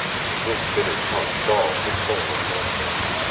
This bitter taunt galled the soul of Manfred.